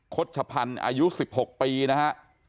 ขดถุรรณิืนอายุ๑๖ปีนะฮะ